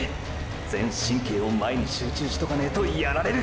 全神経を前に集中しとかねェとやられる！！